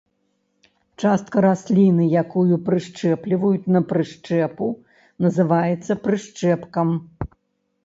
Частка расліны, якую прышчэпліваюць на прышчэпу, называецца прышчэпкам.